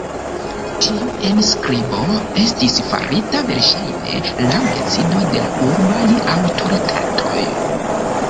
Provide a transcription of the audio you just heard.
Tiu enskribo estis farita verŝajne laŭ decido de la urbaj aŭtoritatoj.